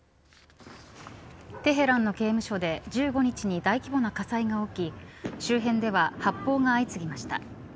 テヘランの刑務所で１５日に大規模な火災が起き周辺では発砲が相次ぎました。